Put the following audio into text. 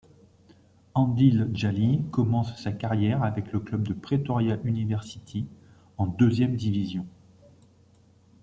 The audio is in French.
Andile Jali commence sa carrière avec le club de Pretoria University, en deuxième division.